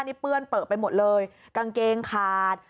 นี่เปื้อนเปลือไปหมดเลยกางเกงขาด